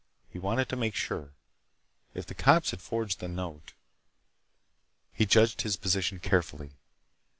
He wanted to make sure. If the cops had forged the note— He judged his position carefully.